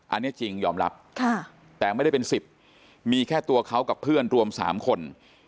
อันนี้จริงยอมรับแต่ไม่ได้เป็น๑๐มีแค่ตัวเขากับเพื่อนรวม๓คน